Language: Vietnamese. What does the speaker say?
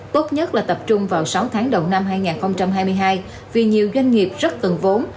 tốt nhất là tập trung vào sáu tháng đầu năm hai nghìn hai mươi hai vì nhiều doanh nghiệp rất cần vốn